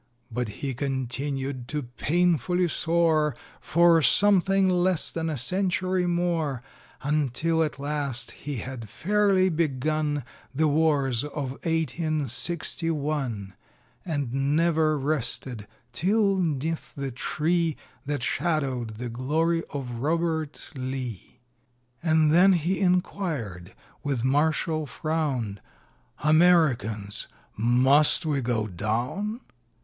But he continued to painfully soar For something less than a century more; Until at last he had fairly begun The wars of eighteen sixty one; And never rested till 'neath the tree That shadowed the glory of Robert Lee. And then he inquired, with martial frown, "Americans, must we go down?"